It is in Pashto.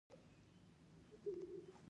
معده څنګه خواړه هضموي؟